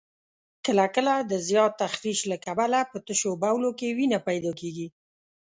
کله کله د زیات تخریش له کبله په تشو بولو کې وینه پیدا کېږي.